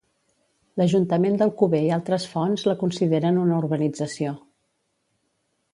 L'ajuntament d'Alcover i altres fonts la consideren una urbanització.